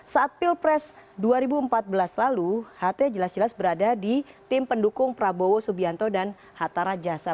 saat pilpres dua ribu empat belas lalu ht jelas jelas berada di tim pendukung prabowo subianto dan hatta rajasa